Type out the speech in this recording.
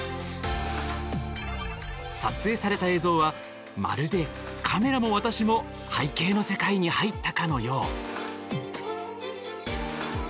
撮影された映像はまるでカメラも私も背景の世界に入ったかのよう。